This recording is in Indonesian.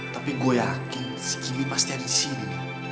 tapi gue yakin si gini pasti ada di sini